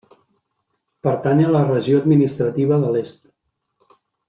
Pertany a la regió administrativa de l'est.